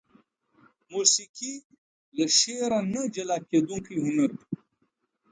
موسيقي له شعر نه جلاکيدونکى هنر دى.